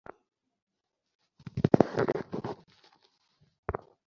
আমি ওই শয়তান মহিলাকে পছন্দ করি না!